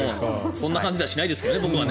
そんな感じではしないですけどね。